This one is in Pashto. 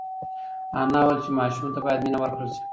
انا وویل چې ماشوم ته باید مینه ورکړل شي.